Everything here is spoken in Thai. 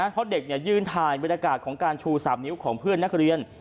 เพราะเด็กยืนถ่ายบรรยากาศของการชู๓นิ้วของเพื่อนนักเรียน